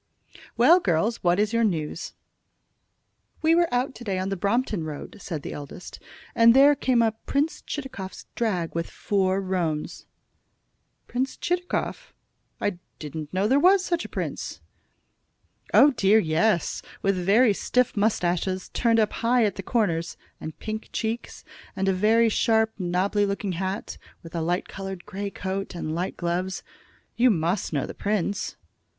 "Well, girls, what is your news?" "We were out to day on the Brompton Road," said the eldest, "and there came up Prince Chitakov's drag with four roans." "Prince Chitakov! I didn't know there was such a prince." "Oh, dear, yes; with very stiff mustaches, turned up high at the corners, and pink cheeks, and a very sharp, nobby looking hat, with a light colored grey coat, and light gloves. You must know the prince."